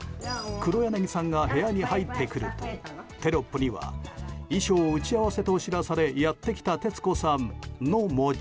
黒柳さんが部屋に入ってくるとテロップには衣装打ち合わせと知らされやってきた徹子さんとの文字。